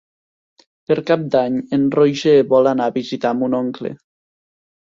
Per Cap d'Any en Roger vol anar a visitar mon oncle.